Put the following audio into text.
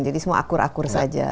jadi semua akur akur saja